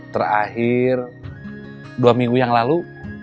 terakhir dua minggu yang lalu